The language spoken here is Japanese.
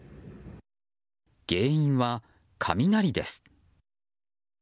原因は雷です。